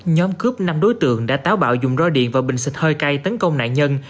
nhóm cướp năm đối tượng đã táo bạo dùng roi điện và bình xịt hơi cay tấn công nạn nhân